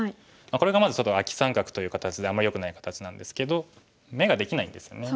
これがまずちょっとアキ三角という形であんまりよくない形なんですけど眼ができないんですよね。